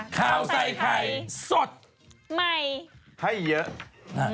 ข่าวใส่ไข่สดใหม่ให้เยอะนะ